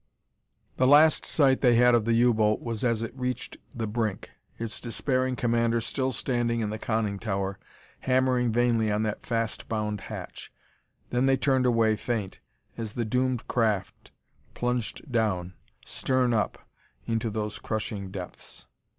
The last sight they had of the U boat was as it reached the brink, its despairing commander still standing in the conning tower, hammering vainly on that fast bound hatch; then they turned away faint, as the doomed craft plunged down, stern up, into those crushing depths.